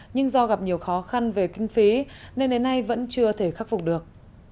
nhưng do gặp nhiều khó khăn về kinh phí nên đến nay vẫn chưa thể khắc phục được